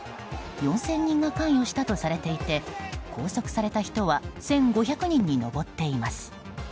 ４０００人が関与したとされていて拘束された人は１５００人に上っています。